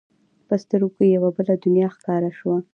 په سترګو کې یې یوه بله دنیا ښکاره شوه.